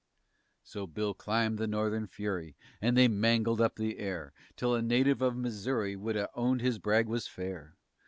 _" So Bill climbed the Northern Fury And they mangled up the air Till a native of Missouri Would have owned his brag was fair.